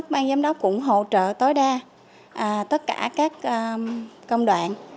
ban giám đốc cũng hỗ trợ tối đa tất cả các công đoạn